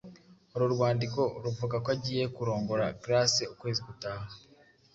Uru rwandiko ruvuga ko agiye kurongora Grace ukwezi gutaha.